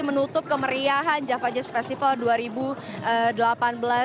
menutup kemeriahan java jazz festival dua ribu delapan belas